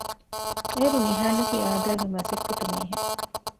އެއިރު ނިހާންއަކީ އާދައިގެ މަސައްކަތު މީހެއް